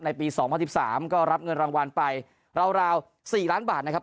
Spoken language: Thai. ปี๒๐๑๓ก็รับเงินรางวัลไปราว๔ล้านบาทนะครับ